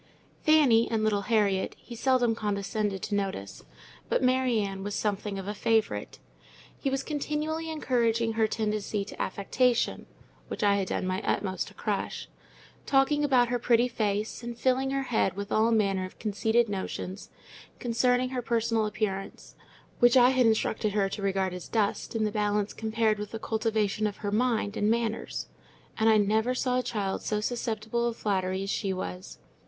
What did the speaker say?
Fanny and little Harriet he seldom condescended to notice; but Mary Ann was something of a favourite. He was continually encouraging her tendency to affectation (which I had done my utmost to crush), talking about her pretty face, and filling her head with all manner of conceited notions concerning her personal appearance (which I had instructed her to regard as dust in the balance compared with the cultivation of her mind and manners); and I never saw a child so susceptible of flattery as she was.